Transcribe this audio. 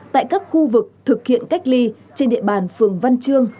tại các khu vực thực hiện cách ly trên địa bàn phường văn chương